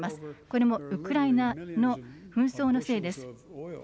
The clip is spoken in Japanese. これもウクライナの紛争のせいです。